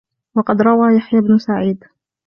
وَقَدْ رَوَى يَحْيَى بْنُ سَعِيدٍ